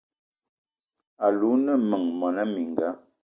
Alou o ne meng mona mininga?